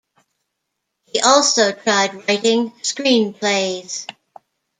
He also tried writing screenplays.